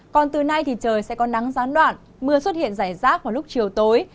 còn từ nay trời sẽ có nắng gián đoạn mưa xuất hiện giải rác vào lúc chiều tối